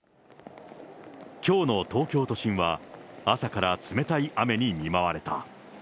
きょうの東京都心は朝から冷たい雨に見舞われた。